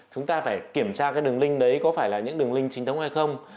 chúng ta phải kiểm tra cái đường link đấy có phải là những đường link chính thống hay không